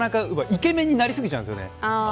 イケメンになりすぎちゃうんですよね。